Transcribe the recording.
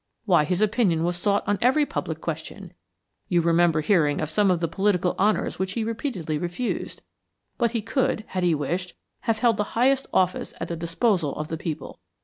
Why, his opinion was sought on every public question. You remember hearing of some of the political honors which he repeatedly refused, but he could, had he wished, have held the highest office at the disposal of the people.